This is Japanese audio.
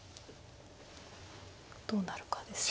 どうなるかです。